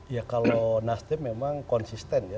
ya kalau nasdem memang konsisten ya